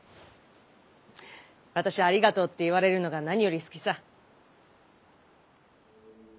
私ゃありがとうって言われるのが何より好きさ。